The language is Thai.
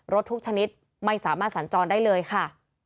ทุกชนิดไม่สามารถสัญจรได้เลยค่ะ